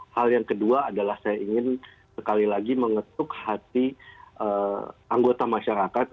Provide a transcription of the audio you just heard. hal yang kedua adalah saya ingin sekali lagi mengetuk hati anggota masyarakat